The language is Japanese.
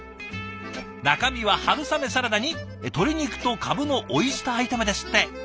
中身は春雨サラダに鶏肉とカブのオイスター炒めですって。